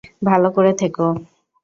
ভালো করে থেকো।